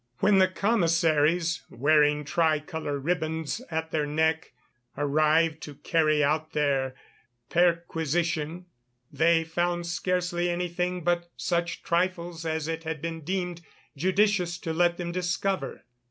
When the Commissaries, wearing tricolour ribands at their necks, arrived to carry out their perquisition, they found scarcely anything but such trifles as it had been deemed judicious to let them discover.